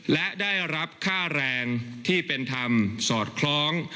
และได้รับค่าแรงที่เป็นธรรมสอดคล้อง